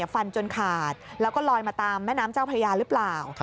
ฟันจนขาดแล้วก็ลอยมาตามแม่น้ำเจ้าพญาหรือเปล่า